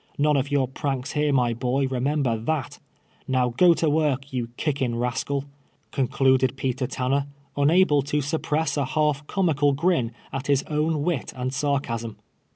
Kone of your pranks here, my boy, re member that. ISTow go to work, you Idck'in^ rascal," concluded Peter Tanner, unable to suppress a half comical grin at his own wit and sarcasm.